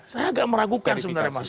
saya agak meragukan sebenarnya mas